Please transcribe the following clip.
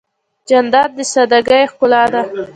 جانداد د سادګۍ ښکلا ده.